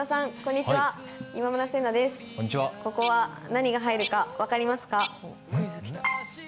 ここは何が入るか分かりますか。